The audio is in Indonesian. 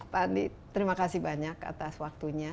pak adi terima kasih banyak atas waktunya